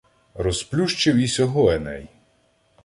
Розплющив і сього Еней.